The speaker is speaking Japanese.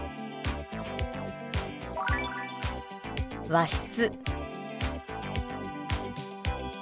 「和室」。